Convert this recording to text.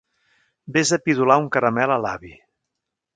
Ves a pidolar un caramel a l'avi.